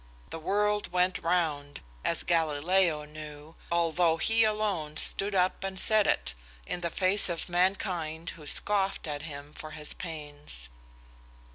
The world went round, as Galileo knew, although he alone stood up and said it in the face of mankind, who scoffed at him for his pains."